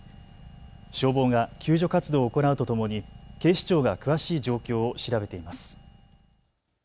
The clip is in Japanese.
消防が救助活動を行うとともに警視庁が詳しい状況を調べています。